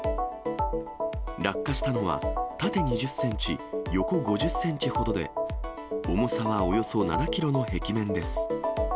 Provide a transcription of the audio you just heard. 落下したのは、縦２０センチ、横５０センチほどで、重さはおよそ７キロの壁面です。